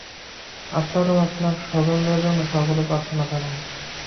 আপনার ও আপনার স্বজনদের জন্য সর্বদা প্রার্থনা জানাই।